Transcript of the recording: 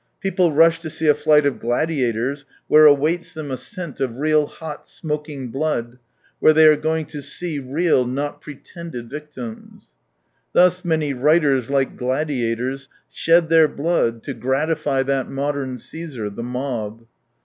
People rush to see a fight of gladiators, where awaits them a scent of real, hot, smoking blood, where they are going to see real, not pretended victims. Thus many writers, like gladiators, shed their blood to gratify that modern Caesar, the mob.